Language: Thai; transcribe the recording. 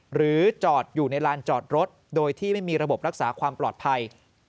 หรือจอดอยู่ในลานจอดรถโดยที่ไม่มีระบบรักษาความปลอดภัย